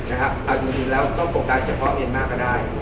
เอาจริงแล้วก็ปกติเฉพาะเมียนมากกว่าได้